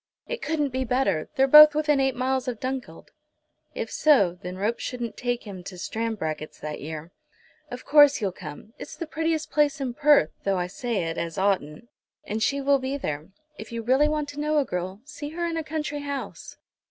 "It couldn't be better. They're both within eight miles of Dunkeld." If so, then ropes shouldn't take him to Stranbracket's that year. "Of course you'll come. It's the prettiest place in Perth, though I say it, as oughtn't. And she will be there. If you really want to know a girl, see her in a country house."